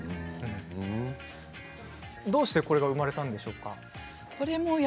どうしてこれが生まれたんでしょうか。